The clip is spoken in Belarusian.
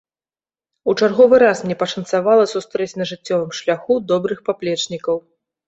У чарговы раз мне пашанцавала сустрэць на жыццёвым шляху добрых паплечнікаў.